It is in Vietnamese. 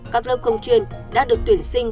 các lớp không chuyên đã được tuyển sinh